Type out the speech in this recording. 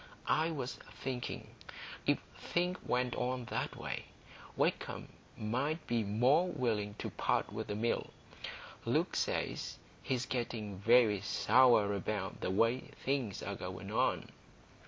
I was thinking, if things went on that way, Wakem might be more willing to part with the Mill. Luke says he's getting very sour about the way things are going on."